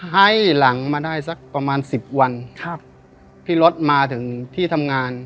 ให้หลังมาได้สักประมาณสิบวันครับพี่รถมาถึงที่ทำงาน